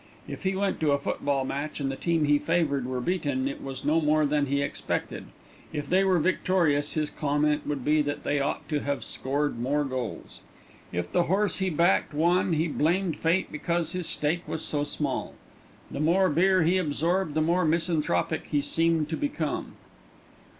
If he went to a football match and the team he favoured were beaten, it was no more than he expected; if they were victorious his comment would be that they ought to have scored more goals. If the horse he backed won, he blamed fate because his stake was so small. The more beer he absorbed the more misanthropic he seemed to become.